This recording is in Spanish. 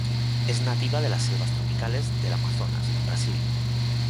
Es nativa de las selvas tropicales del Amazonas en Brasil.